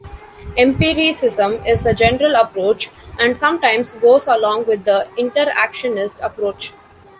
Empiricism is a general approach and sometimes goes along with the interactionist approach.